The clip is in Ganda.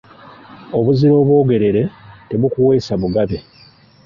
Obuzira obwogerere, tebukuweesa bugabe.